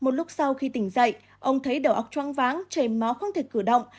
một lúc sau khi tỉnh dậy ông thấy đầu óc troang váng trầy máu không thể cử động